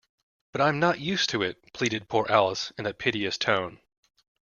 ‘But I’m not used to it!’ pleaded poor Alice in a piteous tone.